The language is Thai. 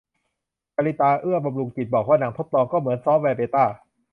ชลิตา เอื้อบำรุงจิต บอกว่า หนังทดลอง ก็เหมือน ซอฟต์แวร์เบต้า